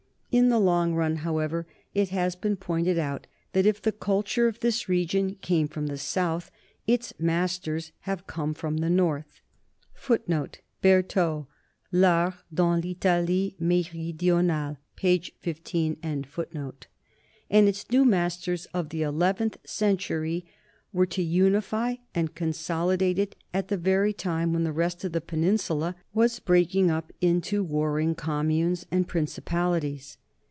In the long run, however, it has been pointed out that, if the culture of this region came from the south, its mas ters have come from the north ; l and its new masters of the eleventh century were_tojmify and consolidate it at the very time when the rest of the peninsula was breaking up into warring communes anclprincipalities.